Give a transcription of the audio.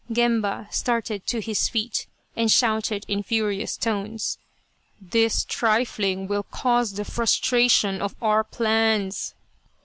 Gemba started to his feet and shouted in furious tones, "This trifling will cause the frustration of cm plans